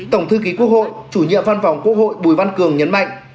tổng thư ký quốc hội chủ nhiệm văn phòng quốc hội bùi văn cường nhấn mạnh